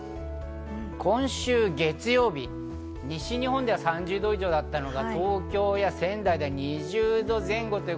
今週月曜日、西日本では３０度以上だったのが東京や仙台で２０度前後。